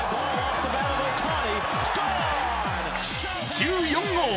１４号！